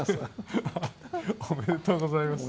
おめでとうございます。